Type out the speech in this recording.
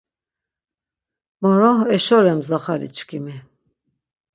Moro eşo ren mzaxaliçkimi.